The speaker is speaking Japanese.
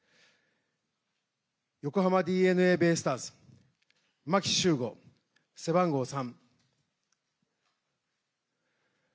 横浜ＤｅＮＡベイスターズ牧秀悟、背番号３。